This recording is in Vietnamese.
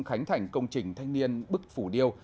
khánh thành công trình thanh niên bức phủ điêu